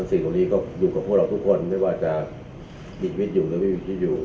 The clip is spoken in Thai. สิ่งตอนนี้ก็อยู่กับผู้เราทุกคนไม่ว่าจะดินวิจิตรอยู่หรือไม่วิจิตรอยู่